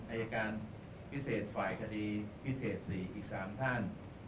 อายการพิเศษฝ่ายคดีพิเศษ๔อีก๓ท่าน